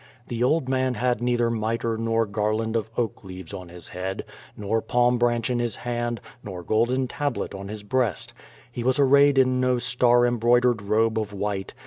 The old man had neither mitre nor garland of oak leaves on his head, nor palm branch in his hand, nor golden tablet on his breast. He was arrayed in no star embroidered robe of white.